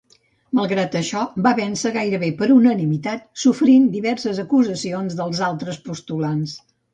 Malgrat això, va vèncer gairebé per unanimitat, sofrint diverses acusacions dels altres postulants.